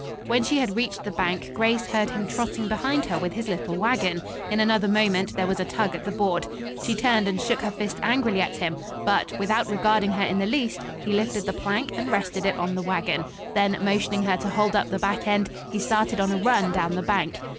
When she had reached the bank, Grace heard him trotting behind her with his little wagon. In another moment there was a tug at the board. She turned and shook her fist angrily at him; but, without regarding her in the least, he lifted the plank and rested it on the wagon. Then motioning her to hold up the back end, he started on a run down the bank.